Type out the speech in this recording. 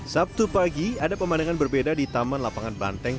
sabtu pagi ada pemandangan berbeda di taman lapangan banteng